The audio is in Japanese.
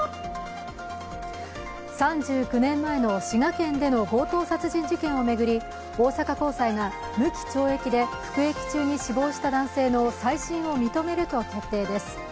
３９年前の滋賀県での強盗殺人事件を巡り大阪高裁が無期懲役で服役中に死亡した男性の再審を認めると決定です。